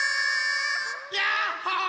やっほー！